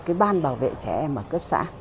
cái ban bảo vệ trẻ em ở cấp xã